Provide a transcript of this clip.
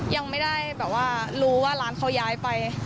ยังไม่ได้แบบว่ารู้ว่าร้านเขาย้ายไป